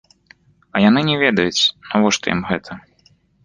А яны не ведаюць, навошта ім гэта.